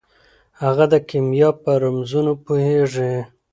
هغه د کیمیا په رمزونو پوهیږي.